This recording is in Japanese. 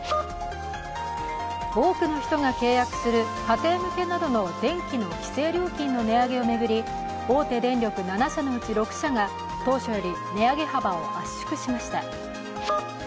多くの人が契約する家庭向けなどの電気の規制料金の値上げを巡り、大手電力の７社のうち６社が当初より値上げ幅を圧縮しました。